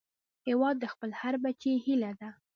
هیواد د خپل هر بچي هيله ده